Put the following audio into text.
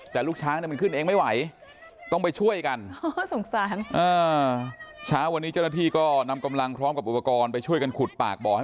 แต่ลูกช้างเนี่ยมันขึ้นเองไม่ไหว